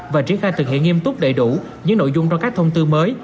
và triển khai thực hiện nghiêm túc đầy đủ những nội dung trong các thông tư mới